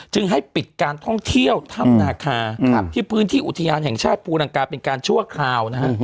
ให้ปิดการท่องเที่ยวถ้ำนาคาที่พื้นที่อุทยานแห่งชาติภูรังกาเป็นการชั่วคราวนะฮะ